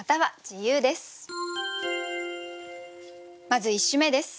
まず１首目です。